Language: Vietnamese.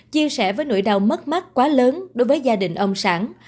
chia sẻ với nỗi đau mất mát quá lớn đối với gia đình ông sản